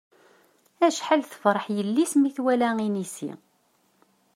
Acḥal tefṛeḥ yelli-s mi twala inisi.